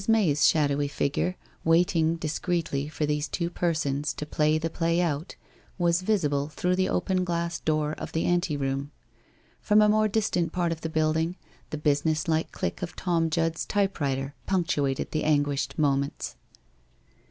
May's shadowy figure, waiting discreetly for these two per sons to play the play out, was visible through the open glass door of the anteroom. From a more distant part of the building, the business like click of Tom Judd's type writer punctuated the anguished moments.